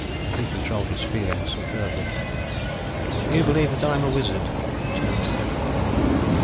And he controlled his feelings superbly. "You believe that I am a wizard," Jonas said.